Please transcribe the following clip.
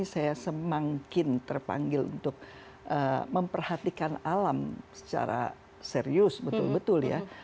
saya semakin terpanggil untuk memperhatikan alam secara serius betul betul ya